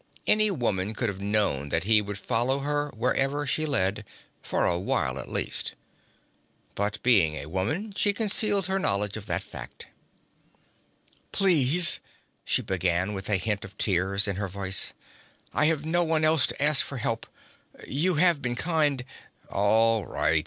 Any woman could have known that he would follow her wherever she led for a while, at least. But being a woman, she concealed her knowledge of that fact. 'Please,' she began with a hint of tears in her voice, 'I have no one else to ask for help you have been kind ' 'All right!'